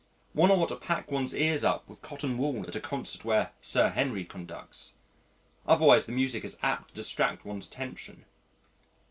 One ought to pack one's ears up with cotton wool at a concert where Sir Henry conducts. Otherwise, the music is apt to distract one's attention.